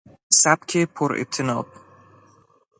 سبک پراطناب